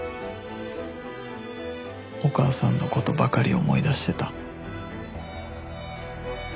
お母さんの事ばかり思い出してた